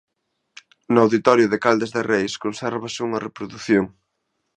No Auditorio de Caldas de Reis consérvase unha reprodución.